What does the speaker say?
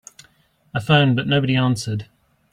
I phoned but nobody answered.